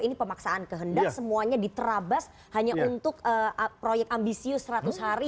ini pemaksaan kehendak semuanya diterabas hanya untuk proyek ambisius seratus hari